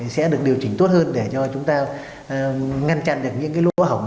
sẽ được điều chỉnh tốt hơn để cho chúng ta ngăn chặn được những cái lỗ hỏng